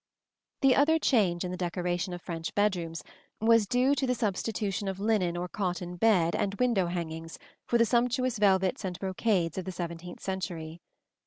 The other change in the decoration of French bedrooms was due to the substitution of linen or cotton bed and window hangings for the sumptuous velvets and brocades of the seventeenth century.